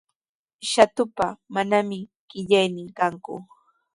Shatupa manami qillaynin kanku.